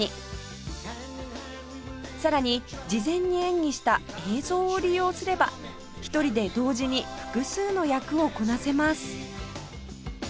さらに事前に演技した映像を利用すれば１人で同時に複数の役をこなせます